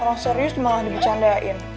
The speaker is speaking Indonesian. orang serius malah dibercanda in